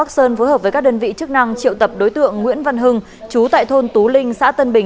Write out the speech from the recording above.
xin chào và hẹn gặp lại